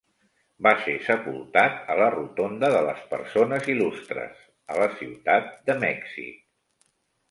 Va ser sepultat a la Rotonda de les Persones Il·lustres, a la Ciutat de Mèxic.